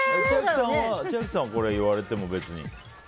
千秋さんはこれ言われても別に。